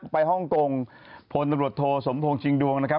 ฮ่องกงพลตำรวจโทสมพงษ์ชิงดวงนะครับ